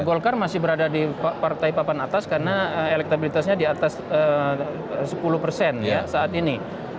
golkar masih berada di partai papan atas karena elektabilitasnya di atas sepuluh persen saat ini